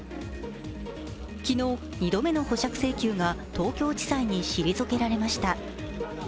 昨日、２度目の保釈請求が東京地裁に退けられました。